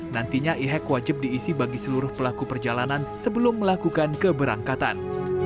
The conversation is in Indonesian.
nantinya e hack wajib diisi bagi seluruh pelaku perjalanan sebelum melakukan keberangkatan